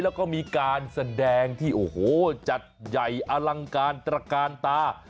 แล้วก็มีการแสดงที่โอ้โหจัดใหญ่อลังการตระกาลตา